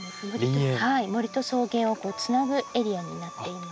森と草原をつなぐエリアになっています。